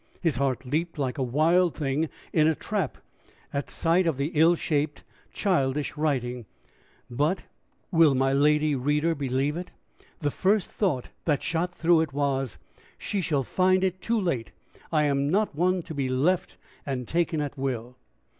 His heart leaped like a wild thing in a trap at sight of the ill shaped, childish writing; but will my lady reader believe it? the first thought that shot through it was "She shall find it too late! I am not one to be left and taken at will!"